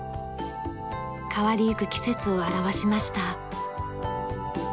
変わりゆく季節を表しました。